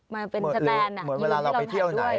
มันเป็นสแตนยืนให้เราถ่ายด้วยหรือเหมือนเวลาเราไปเที่ยวไหน